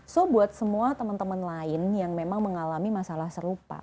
so buat semua teman teman lain yang memang mengalami masalah serupa